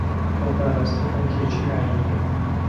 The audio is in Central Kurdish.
خۆپاراستن ئەرکێکی ئاینییە